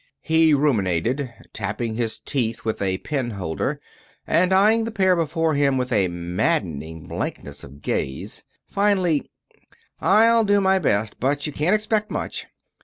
He ruminated, tapping his teeth with a pen holder, and eying the pair before him with a maddening blankness of gaze. Finally: "I'll do my best, but you can't expect much.